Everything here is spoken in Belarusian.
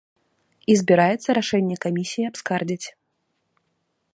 І збіраецца рашэнне камісіі абскардзіць.